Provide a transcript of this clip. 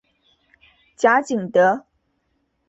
贾景德。